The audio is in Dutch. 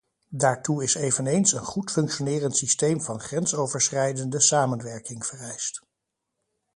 Daartoe is eveneens een goed functionerend systeem van grensoverschrijdende samenwerking vereist.